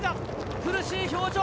苦しい表情。